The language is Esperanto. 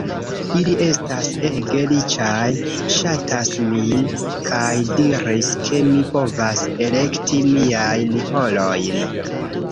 Ili estas ege riĉaj, ŝatas min, kaj diris ke mi povas elekti miajn horojn.